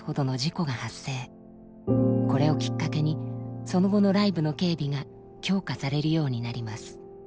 これをきっかけにその後のライブの警備が強化されるようになります。